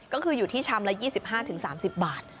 ก็คืออยู่ที่ชามละ๒๕๓๐บาท